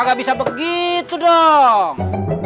gak bisa begitu dong